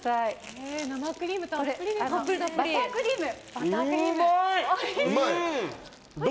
バタークリーム。